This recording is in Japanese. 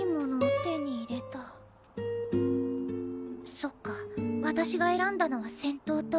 そっか私が選んだのは先頭糖。